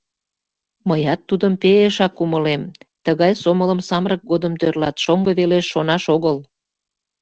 Мыят тудым пе-эшак умылем: тыгай сомылым самырык годым тӧрлат, шоҥго велеш шонаш огыл.